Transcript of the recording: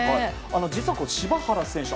実は柴原選手